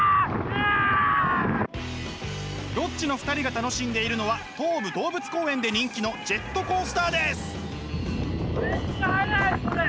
ロッチの２人が楽しんでいるのは東武動物公園で人気のジェットコースターです！